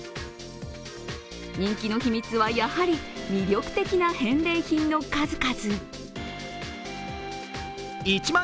人気の秘密は、やはり魅力的な返礼品の数々。